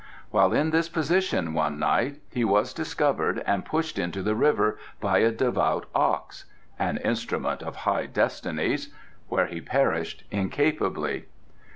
While in this position one night he was discovered and pushed into the river by a devout ox (an instrument of high destinies), where he perished incapably.